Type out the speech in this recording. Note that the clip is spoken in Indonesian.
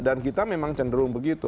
dan kita memang cenderung begitu